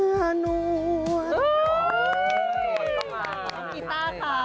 โอ้มีคนต้องมา